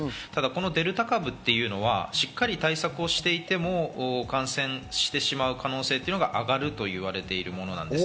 デルタ株というのは、しっかり対策をしていても感染してしまう可能性が上がるといわれているものです。